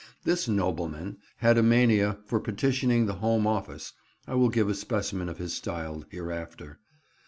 This nobleman! had a mania for petitioning the Home Office (I will give a specimen of his style hereafter).